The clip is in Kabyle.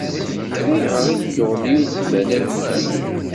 Ayɣer i d-tuɣem yiwet n tbanant kan?